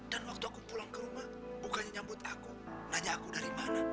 dan waktu aku pulang ke rumah bukannya nyambut aku nanya aku dari mana